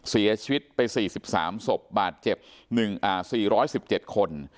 เสียชีวิตไป๔๓ศพบาดเจ็บ๔๑๗คน